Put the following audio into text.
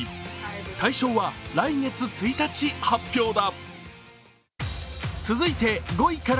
大賞は来月１日発表だ。